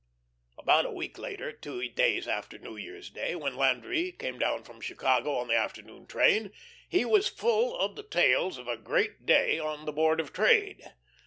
About a week later, two days after New Year's day, when Landry came down from Chicago on the afternoon train, he was full of the tales of a great day on the Board of Trade.